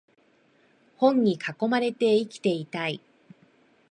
本に囲まれて生きていたい